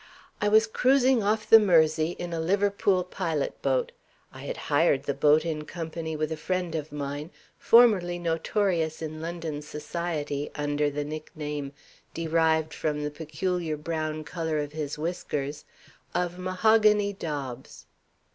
"I was cruising off the Mersey in a Liverpool pilot boat. I had hired the boat in company with a friend of mine, formerly notorious in London society, under the nickname (derived from the peculiar brown color of his whiskers) of 'Mahogany Dobbs.'"